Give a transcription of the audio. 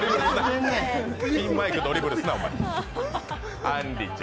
ピンマイク、ドリブルすな。